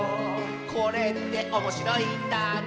「これっておもしろいんだね」